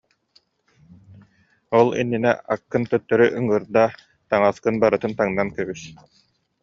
Ол иннинэ аккын төттөрү ыҥыырдаа, таҥаскын барытын таҥнан кэбис